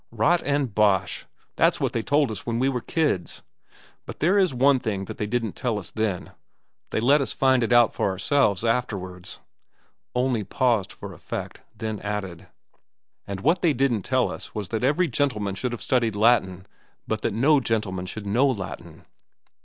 "Rot and bosh! That's what they told us when we were kids. But there is one thing they didn't tell us then. They let us find it out for ourselves afterwards." Olney paused for effect, then added, "And what they didn't tell us was that every gentleman should have studied Latin, but that no gentleman should know Latin."